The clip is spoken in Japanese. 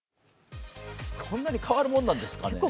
こんなに変わるものなんですかね。